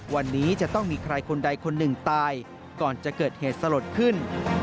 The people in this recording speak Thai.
วันนี้จะต้องมีใครคนใดคนหนึ่งตายก่อนจะเกิดเหตุสลดขึ้น